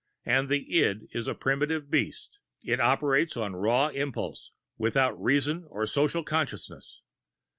And the id is a primitive beast it operates on raw impulse, without reason or social consciousness.